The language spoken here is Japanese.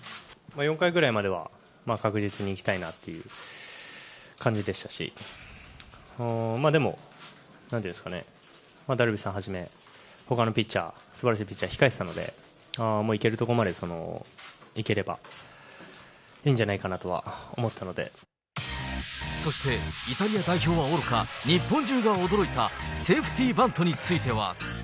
４回ぐらいまでは確実にいきたいなっていう感じでしたし、でも、なんていうんですかね、ダルビッシュさんはじめ、ほかのピッチャー、すばらしいピッチャー控えてたので、もういけるところまでいければいいんじゃないかなとは思ってたのそして、イタリア代表はおろか、日本中が驚いたセーフティーバントについては。